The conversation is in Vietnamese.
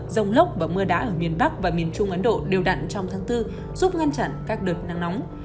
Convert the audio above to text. rông lốc và mưa đá ở miền bắc và miền trung ấn độ đều đặn trong tháng bốn giúp ngăn chặn các đợt nắng nóng